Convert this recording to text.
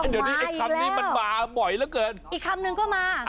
เดี๋ยวนะคะลวยมาอีกคำหนึ่งก็มา